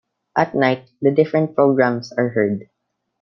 At night, the different programs are heard.